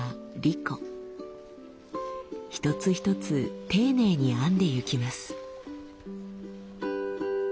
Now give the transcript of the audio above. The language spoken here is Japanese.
一つ一つ丁寧に編んでいきます。